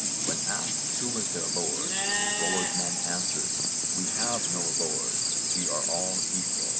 When asked who was their lord, Rollo's men answered 'We have no lord, we are all equal.'